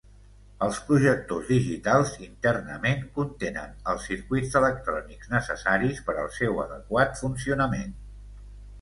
Els projectors digitals, internament, contenen els circuits electrònics necessaris per al seu adequat funcionament.